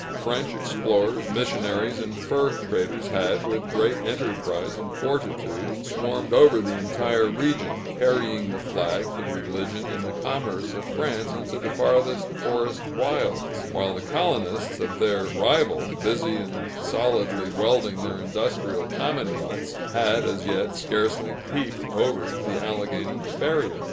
French explorers, missionaries, and fur traders had, with great enterprise and fortitude, swarmed over the entire region, carrying the flag, the religion, and the commerce of France into the farthest forest wilds; while the colonists of their rival, busy in solidly welding their industrial commonwealths, had as yet scarcely peeped over the Alleghany barrier.